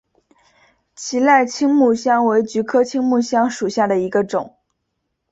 奇莱青木香为菊科青木香属下的一个种。